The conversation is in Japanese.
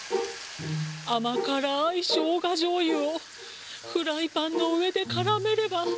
あまからいしょうがじょうゆをフライパンのうえでからめれば。